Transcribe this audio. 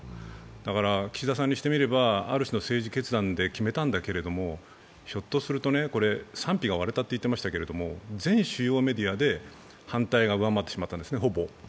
だから岸田さんにしてみれば、ある種の政治決断で決めたんだけどひょっとすると、賛否が割れたと言ってましたけれども、全主要メディアで反対がほぼ上回ってしまったんですね。